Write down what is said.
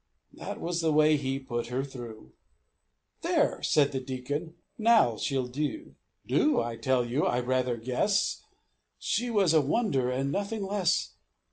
That was the way he "put her through" "There!" said the Deacon, "naow she'll dew!" Do! I tell you, I rather guess She was a wonder and nothing less!